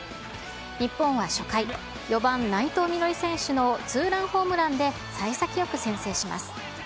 日本は初回、４番内藤実穂選手のツーランホームランで、さい先よく先制します。